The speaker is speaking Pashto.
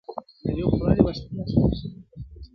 بې اختیاره وړي په پښو کي بېړۍ ورو ورو!.